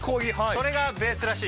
それがベースらしい。